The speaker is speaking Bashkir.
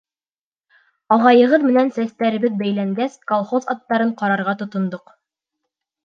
Ағайығыҙ менән сәстәребеҙ бәйләнгәс, колхоз аттарын ҡарарға тотондоҡ.